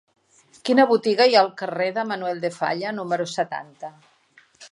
Quina botiga hi ha al carrer de Manuel de Falla número setanta?